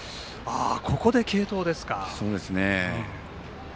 ここで継投ですか。